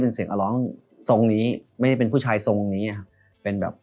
เป็นเสียงร้องทรงนี้ไม่ได้เป็นผู้ชายทรงนี้ครับเป็นแบบ